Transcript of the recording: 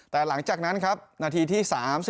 แต่หลังจากนั้นครับนาทีที่๓๔